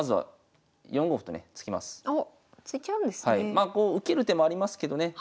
まあこう受ける手もありますけどね